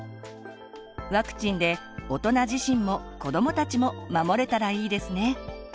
ワクチンで大人自身も子どもたちも守れたらいいですね。